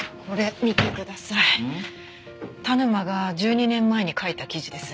田沼が１２年前に書いた記事です。